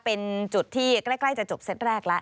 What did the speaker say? เป็นจุดที่ใกล้จะจบเซตแรกแล้ว